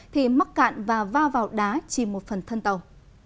thì mắc cạn và va vào đá chìm một phần thân tàu